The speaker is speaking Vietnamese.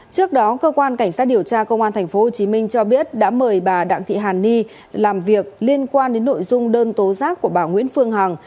trước đó cơ quan cảnh sát điều tra công an tp hcm cho biết đã mời bà đặng thị hàn ni làm việc liên quan đến nội dung đơn tố giác của bà nguyễn phương hằng